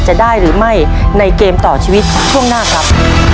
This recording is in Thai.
จะได้หรือไม่ในเกมต่อชีวิตช่วงหน้าครับ